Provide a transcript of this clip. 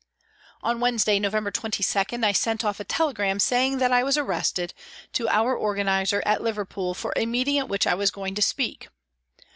On Wednesday, November 22, I sent off a tele gram, saying that I was arrested, to our organiser at Liverpool for a meeting at which I was going to speak.